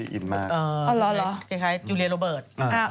เธอนั่นแหละมานำฉันบุกเย็นรถเมย์